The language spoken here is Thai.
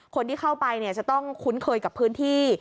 คนที่เข้าไปจะต้องคุ้นเคยกับพื้นที่